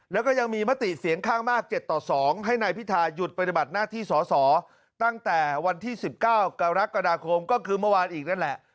แล้วก็ยังมีมติเสียงข้างมาก๗ต่อ๒ให้นายพิทาหยุดปฏิบัติหน้าที่สอสอตั้งแต่วันที่๑๙กรกฎาคมก็คือเมื่อวานอีกนั่นแหละ